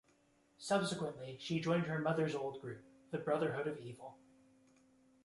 Subsequently, she joined her mother's old group, the Brotherhood of Evil.